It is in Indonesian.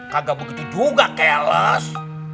kagak begitu juga keles